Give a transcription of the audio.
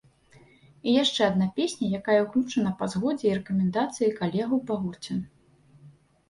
І яшчэ адна песня, якая ўключана па згодзе і рэкамендацыі калегаў па гурце.